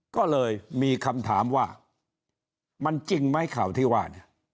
ก็เลยมีคำถามว่ามันจริงไหมข่าวที่ว่าเนี่ย